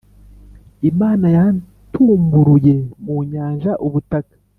imana yatumburuye mu nyanja ubutaka.